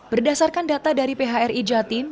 berdasarkan data dari phri jatim